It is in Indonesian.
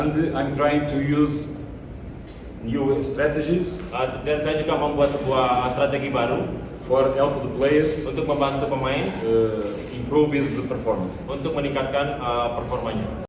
dan saya juga akan membuat strategi baru untuk membantu pemain meningkatkan performanya